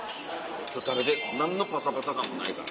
ちょっと食べて何のパサパサ感もないから。